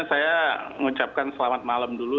saya mengucapkan selamat malam dulu